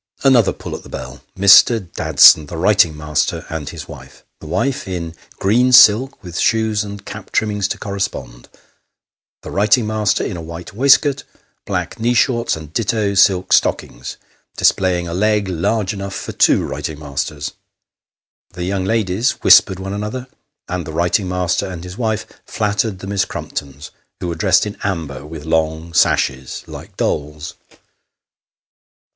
Another pull at the bell. Mr. Dadson the writing master, and his wife. The wife in green silk, with shoes and cap trimmings to corre spond : the writing master in a white waistcoat, black knee shorts, and ditto silk stockings, displaying a leg large enough for two writing masters. The young ladies whispered one another, and the writing master and his wife flattered the Miss Crumptons, who were dressed in amber, with long sashes, like dolls.